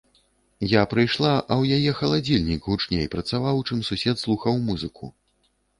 Я прыйшла, а ў яе халадзільнік гучней працаваў, чым сусед слухаў музыку!